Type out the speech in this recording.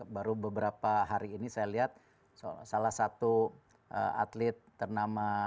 baru beberapa hari ini saya lihat salah satu atlet ternama